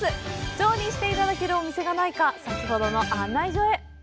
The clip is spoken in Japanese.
調理していただけるお店がないか先ほどの案内所へ。